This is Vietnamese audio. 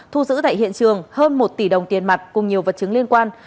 thu giữ tại hiện trường hơn một tỷ đồng tiền mặt cùng nhiều vật chứng liên quan